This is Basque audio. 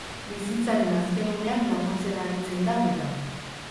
Bizitzaren azken unean laguntzen aritzen da bera.